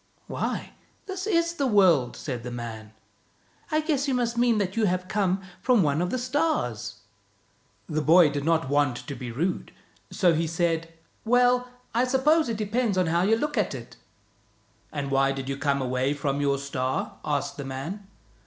"" Why, this is the world," said the man. " I guess you must mean that you have come from one of the stars." The boy did not want to be rude, so he said, " Well, I suppose it depends on how you look at it." " And why did you come away from your star? " asked the man.